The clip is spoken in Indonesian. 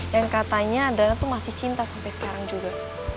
yang katanya adriana tuh masih cinta sampe sekarang juga